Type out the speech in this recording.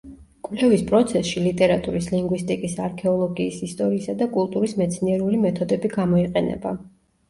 კვლევის პროცესში ლიტერატურის, ლინგვისტიკის, არქეოლოგიის, ისტორიისა და კულტურის მეცნიერული მეთოდები გამოიყენება.